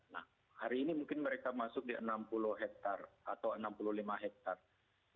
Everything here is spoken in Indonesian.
nah hari ini mungkin mereka masuk di enam puluh hektare atau enam puluh lima hektare